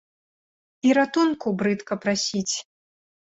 І ратунку брыдка прасіць.